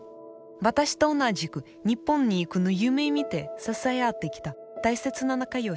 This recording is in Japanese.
私と同じく日本に行くのを夢みて支え合ってきた大切な仲良し。